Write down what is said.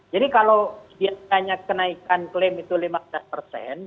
jadi kalau biasa hanya kenaikan klaim itu lima belas persen